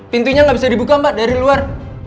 pintunya nggak bisa dibuka mbak dari luar